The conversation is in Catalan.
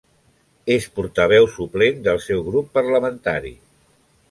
És portaveu suplent del seu grup parlamentari.